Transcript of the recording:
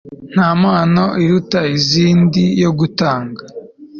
nta mpano iruta izindi yo gutanga